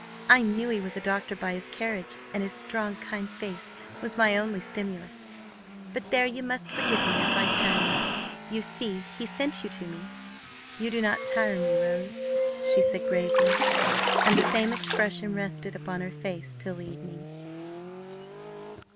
I knew he was a doctor by his carriage, and his strong, kind face was my only stimulus. But there, you must forgive me if I tire you; you see he sent you to me." "You do not tire me, Rose," she said gravely. And the same expression rested upon her face till evening.